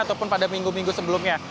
ataupun pada minggu minggu sebelumnya